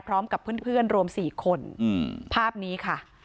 พร้อมกับเพื่อนรวม๔คนภาพนี้ค่ะ